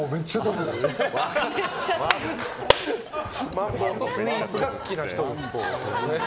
マンボウとスイーツが好きな人です。